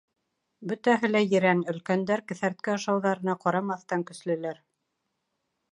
Бөтәһе лә ерән, өлкәндәр, кеҫәртке ашауҙарына ҡарамаҫтан, көслөләр.